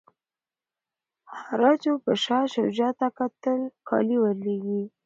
مهاراجا به شاه شجاع ته کالي ور لیږي.